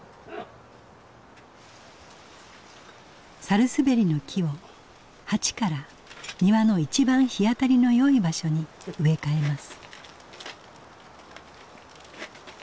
百日紅の木を鉢から庭の一番日当たりのよい場所に植え替えます。